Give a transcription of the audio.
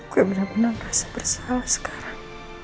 gue bener bener merasa bersalah sekarang